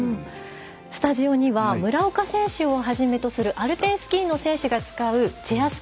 スタジオには村岡選手をはじめとするアルペンスキーの選手が使うチェア